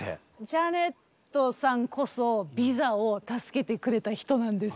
ジャネットさんこそビザを助けてくれた人なんです。